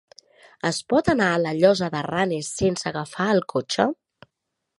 Es pot anar a la Llosa de Ranes sense agafar el cotxe?